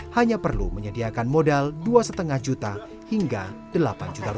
hanya perlu menyediakan modal rp dua lima juta hingga rp delapan